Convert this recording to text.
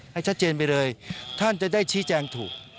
ให้ชัดเจนไปเลยท่านจะได้ชี้แจงถูก